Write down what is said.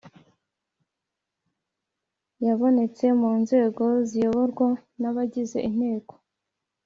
yabonetse mu nzego ziyoborwa n abagize inteko